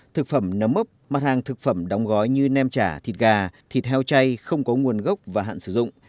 thực phẩm nấm ốc mặt hàng thực phẩm đóng gói như nem chả thịt gà thịt heo chay không có nguồn gốc và hạn sử dụng